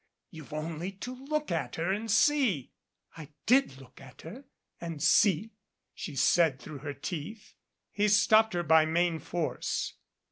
You've only to look at her and see " x "I did look at her and see," she said through her teeth. He stopped her by main force.